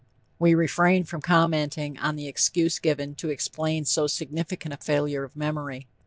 We refrain from commenting on the excuse given to explain so significant a failure of memory.